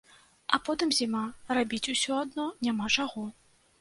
А потым зіма, рабіць усё адно няма чаго.